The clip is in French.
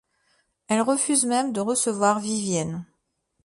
Elle refuse même de recevoir Vivienne.